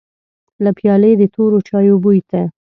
له پيالې د تورو چايو بوی ته.